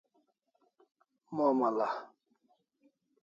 Momal'a